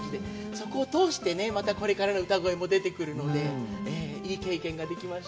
そこを通してね、またこれからの歌声も出てくるので、いい経験ができました。